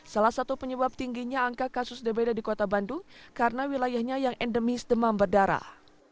salah satu penyebab tingginya angka kasus dbd di kota bandung karena wilayahnya yang endemis demam berdarah